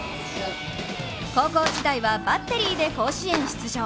高校時代はバッテリーで甲子園出場。